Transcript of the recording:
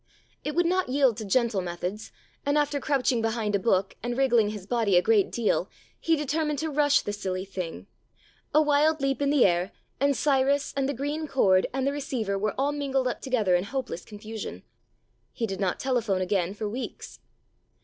It would not yield to gentle methods, and, after crouching behind a book and wriggling his body a great deal, he determined to rush the silly thing. A wild leap in the air, and Cyrus and the green cord and the receiver were all mingled up together in hope less confusion. ... He did not telephone again for weeks.